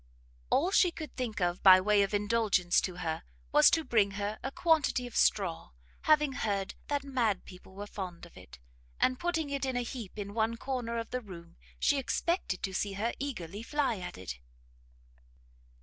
All she could think of by way of indulgence to her, was to bring her a quantity of straw, having heard that mad people were fond of it; and putting it in a heap in one corner of the room, she expected to see her eagerly fly at it.